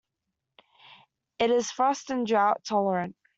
It is frost and drought tolerant.